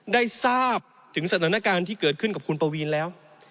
ได้ทราบถึงสถานการณ์ที่เกิดขึ้นกับคุณปวีนแล้ว